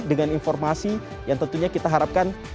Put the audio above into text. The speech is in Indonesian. dengan informasi yang tentunya kita harapkan